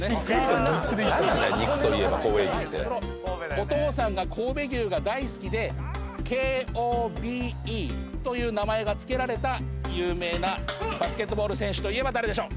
お父さんが神戸牛が大好きで「ＫＯＢＥ」という名前が付けられた有名なバスケットボール選手といえば誰でしょう？